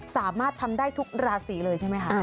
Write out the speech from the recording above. สามารถทำได้ทุกราศีเลยใช่ไหมคะ